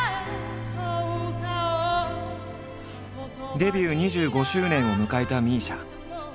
デビュー２５周年を迎えたＭＩＳＩＡ。